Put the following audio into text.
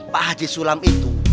pak haji sulam itu